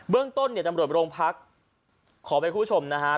เบื้องต้นเนี่ยตำรวจโรงพักษณ์ขอไปคู่ชมนะฮะ